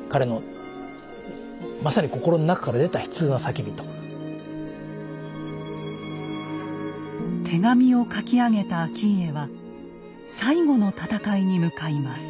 っていうこととこう手紙を書き上げた顕家は最後の戦いに向かいます。